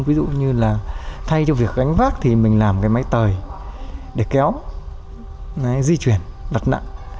ví dụ như là thay cho việc gánh vác thì mình làm cái máy tời để kéo di chuyển đặt nặng